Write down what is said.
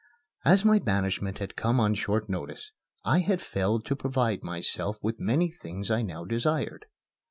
As my banishment had come on short notice, I had failed to provide myself with many things I now desired.